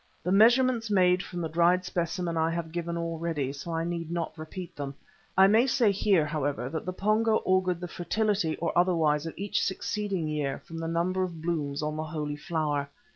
The measurements made from the dried specimen I have given already, so I need not repeat them. I may say here, however, that the Pongo augured the fertility or otherwise of each succeeding year from the number of the blooms on the Holy Flower.